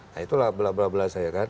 nah itulah bela bela saya kan